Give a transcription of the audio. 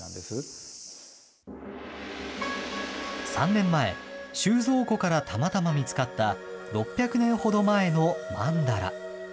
３年前、収蔵庫からたまたま見つかった６００年ほど前のまんだら。